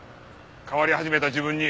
変わり始めた自分に。